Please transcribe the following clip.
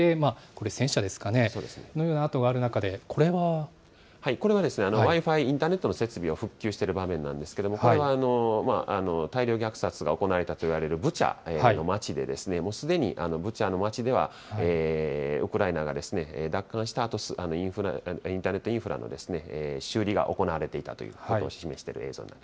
これ、戦車ですかね、このようなあとがある中で、これはですね、Ｗｉ−Ｆｉ、インターネットの設備を復旧している場面なんですけれども、これは大量虐殺が行われたとされるブチャの町で、もうすでにブチャの町では、ウクライナが奪還したあと、インターネットインフラの修理が行われていたということを示している映像